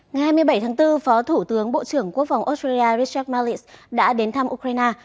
ngày hai mươi bảy tháng bốn phó thủ tướng bộ trưởng quốc phòng australia richard malis đã đến thăm ukraine